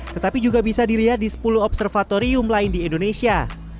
tetapi juga bisa dilihat di sepuluh observatorium lain di indonesia